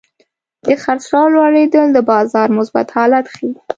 د خرڅلاو لوړېدل د بازار مثبت حالت ښيي.